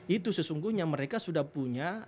itu sesungguhnya mereka sudah punya